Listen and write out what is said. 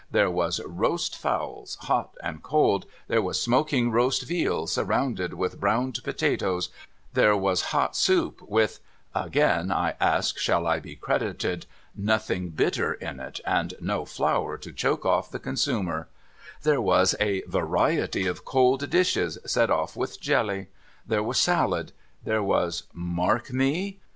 There was roast fowls, hot and cold ; there was smoking roast veal surrounded with browned potatoes ; there was hot soup with (again I ask shall I be credited ?) nothing bitter in it, and no flour to choke off the consumer ; there was a variety of cold dishes set off with jelly ; there was salad ; there was^mark me !